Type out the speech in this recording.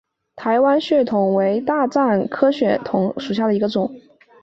台湾血桐为大戟科血桐属下的一个种。